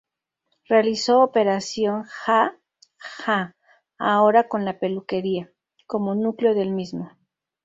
Realizó "Operación Ja Ja" ahora con "La peluquería..." como núcleo del mismo.